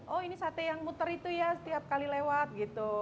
oh ini sate yang muter itu ya setiap kali lewat gitu